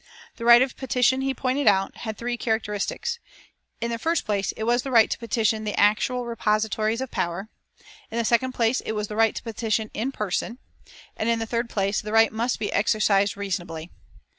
The right of petition, he pointed out, had three characteristics: In the first place, it was the right to petition the actual repositories of power; in the second place, it was the right to petition in person; and in the third place, the right must be exercised reasonably.